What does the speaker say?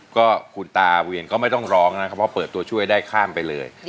ก็คุณตาเวียนก็ไม่ต้องร้องนะครับเพราะเปิดตัวช่วยได้ข้ามไปเลย